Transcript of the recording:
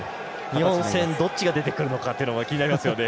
日本戦どっちが出てくるのかっていうのも気になりますよね